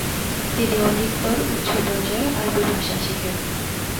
তিনি অধিকতর উচ্চ পর্যায়ে আরবি ভাষা শেখেন।